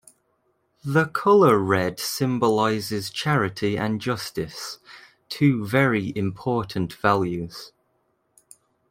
The colour red symbolizes charity and justice, two very important values.